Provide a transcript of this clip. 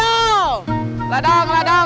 ladang ladang ladang